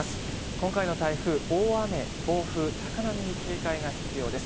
今回の台風、大雨、暴風、高波に警戒が必要です。